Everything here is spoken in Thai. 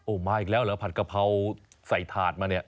มาอีกแล้วเหรอผัดกะเพราใส่ถาดมาเนี่ย